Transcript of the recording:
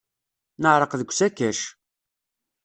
Neɛreq deg usakac.